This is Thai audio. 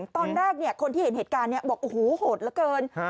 ตอนแรกคนที่เห็นเหตุการณ์บอกโอ้โหโหดเหลือเกิน